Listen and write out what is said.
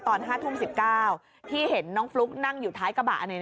ตอน๕ทุ่ม๑๙ที่เห็นน้องฟลุ๊กนั่งอยู่ท้ายกระบะ